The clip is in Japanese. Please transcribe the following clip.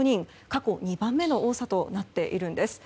過去２番目の多さとなっているんです。